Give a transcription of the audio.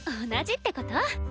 同じってこと？